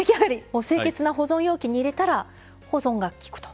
清潔な保存容器に入れたら保存がきくと。